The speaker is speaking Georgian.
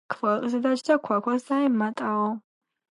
უსწავლელი ქვაზე დაჯდა, ქვა ქვას დაემატაო.